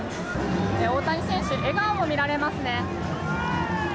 大谷選手、笑顔も見られますね。